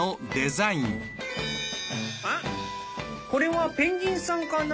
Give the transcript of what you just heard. あっこれはペンギンさんかな？